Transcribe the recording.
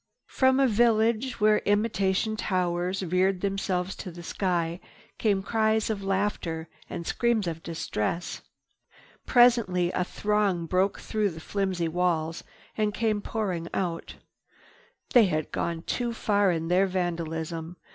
From a village where imitation towers reared themselves to the sky came cries of laughter and screams of distress. Presently a throng broke through the flimsy walls and came pouring out. They had gone too far in their vandalism.